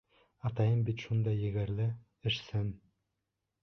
Атайым бит шундай егәрле, эшсән.